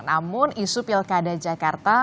namun isu pilkada jakarta